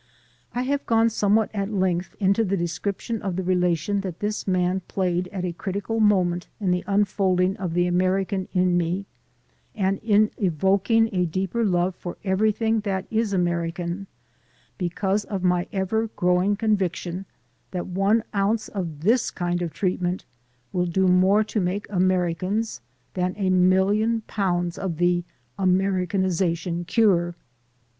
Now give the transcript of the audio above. I have gone somewhat at length into the descrip tion of the relation that this man played at a critical moment to the unfolding of the American in me and in evoking a deeper love for everything that is American, because of my ever growing conviction that one ounce of this kind of treatment will do more to make Americans than a million pounds of the Americanization cure.